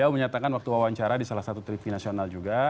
beliau menyatakan waktu wawancara di salah satu tv nasional juga